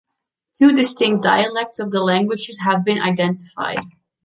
Two distinct dialects of the languages have been identified.